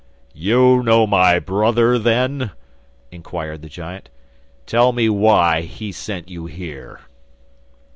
'You know my brother, then?' inquired the giant. 'Tell me why he sent you here.